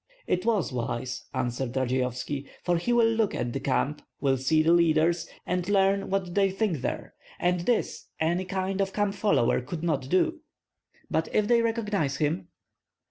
"It was wise," answered Radzeyovski, "for he will look at the camp, will see the leaders, and learn what they think there; and this any kind of camp follower could not do." "But if they recognize him?"